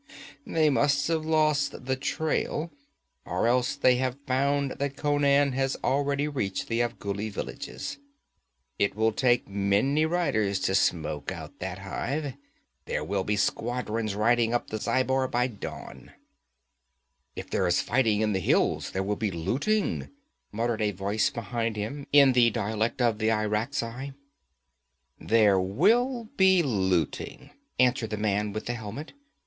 'They must have lost the trail! Or else they have found that Conan has already reached the Afghuli villages. It will take many riders to smoke out that hive. There will be squadrons riding up the Zhaibar by dawn.' 'If there is fighting in the hills there will be looting,' muttered a voice behind him, in the dialect of the Irakzai. 'There will be looting,' answered the man with the helmet.